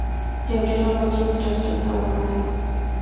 Se abrieron otros tres restaurantes.